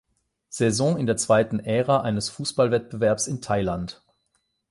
Saison in der zweiten Ära eines Fußballwettbewerbs in Thailand.